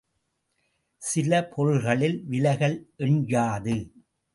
சில பொருள்களின் விலகல் எண் யாது?